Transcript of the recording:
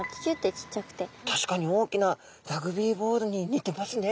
確かに大きなラグビーボールに似てますね。